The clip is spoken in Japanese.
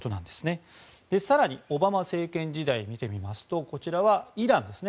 更に、オバマ政権時代を見てみますとこちらはイランですね。